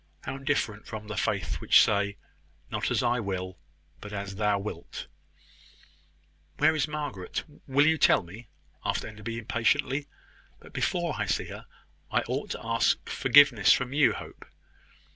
How different from the faith which say; `Not as I will, but as thou wilt!'" "Where is Margaret? Will you tell me?" asked Enderby, impatiently. "But before I see her, I ought to ask forgiveness from you, Hope.